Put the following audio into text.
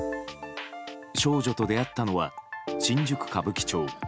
少女と出会ったのは新宿・歌舞伎町ＴＯＨＯ